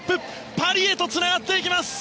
パリへとつながっていきます！